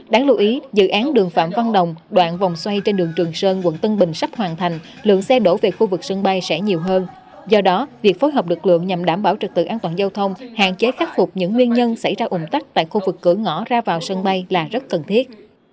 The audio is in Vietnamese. đáng lưu ý dự án đường phạm văn đồng đoạn vòng xoay trên đường trường sơn quận tân bình sắp hoàn thành lượng xe đổ về khu vực sân bay sẽ nhiều hơn do đó việc phối hợp lực lượng nhằm đảm bảo trực tự an toàn giao thông hạn chế khắc phục những nguyên nhân xảy ra ủng tắc tại khu vực cửa ngõ ra vào sân bay là rất cần thiết